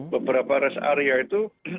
beberapa res area itu